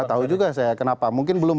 tahu juga saya kenapa mungkin belum